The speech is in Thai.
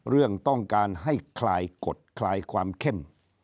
เรื่องต้องการให้คลายกฎคลายความเข้ม